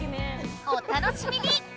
お楽しみに！